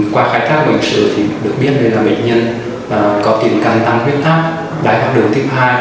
qua khai thác bệnh sự được biết bệnh nhân có tiềm căng tăng huyết tắc đáy phát đường tiếp hai